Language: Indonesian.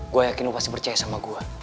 gue yakin lo pasti percaya sama gue